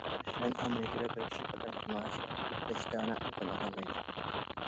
مەسىلەن، ئامېرىكىدا بىر كىشى بىر ئايلىق مائاشىغا تۆت- بەش دانە ئايفون ئالالايدۇ.